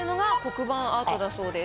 黒板アートだそうです。